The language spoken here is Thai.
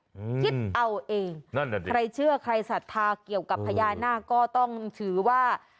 คิดเอาเองนั่นแหละดิใครเชื่อใครศรัทธาเกี่ยวกับพญานาคก็ต้องถือว่า